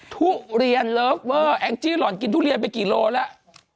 ทุเรียนเลิฟเวอร์แองจี้หล่อนกินทุเรียนไปกี่โลแล้ว